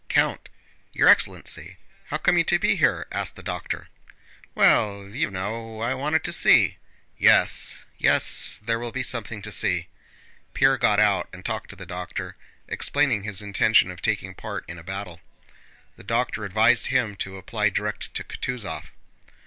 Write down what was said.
"Count! Your excellency, how come you to be here?" asked the doctor. "Well, you know, I wanted to see..." "Yes, yes, there will be something to see...." Pierre got out and talked to the doctor, explaining his intention of taking part in a battle. The doctor advised him to apply direct to Kutúzov.